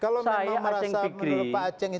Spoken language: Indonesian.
kalau memang merasa menurut pak acang itu tidak benar